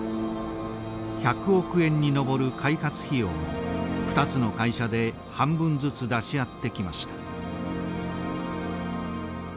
１００億円に上る開発費用も２つの会社で半分ずつ出し合ってきました。